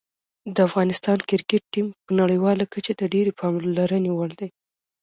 د افغانستان کرکټ ټیم په نړیواله کچه د ډېرې پاملرنې وړ دی.